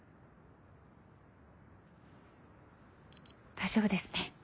大丈夫ですね。